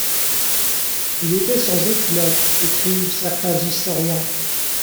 Il était sans éclat écrivent certains historiens.